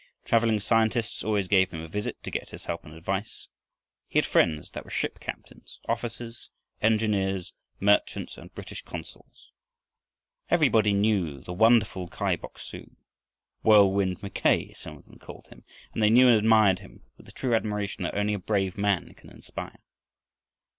Traveling scientists always gave him a visit to get his help and advice. He had friends that were shipcaptains, officers, engineers, merchants, and British consuls. Everybody knew the wonderful Kai Bok su. "Whirlwind Mackay," some of them called him, and they knew and admired him with the true admiration that only a brave man can inspire.